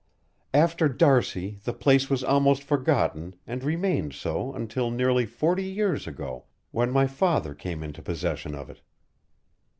After D'Arcy the place was almost forgotten and remained so until nearly forty years ago when my father came into possession of it.